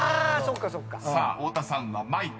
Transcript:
［さあ太田さんはマイク。